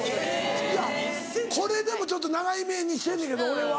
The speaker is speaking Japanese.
いやこれでもちょっと長いめにしてんねんけど俺は。